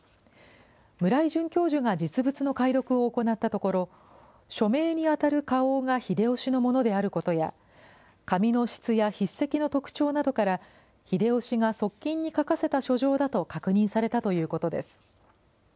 村井准教授が実物の解読を行ったところ、署名に当たる花押が秀吉のものであることや、紙の質や筆跡の特徴などから、秀吉が側近に書かせた書状だと確認されたということです。